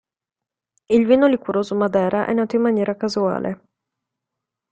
Il vino liquoroso madera è nato in maniera casuale.